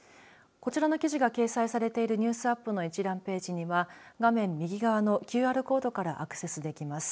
こちらの記事が掲載されているニュースアップの一覧ページには画面右側のＱＲコードからアクセスできます。